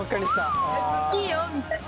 「いいよ」みたいな。